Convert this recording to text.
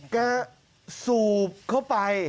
แกโสบเข้าไป